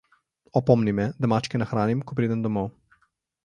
Opomni me, da mačke nahranim, ko pridem domov.